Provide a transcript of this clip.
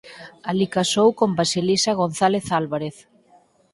Alí casou con Basilisa González Álvarez.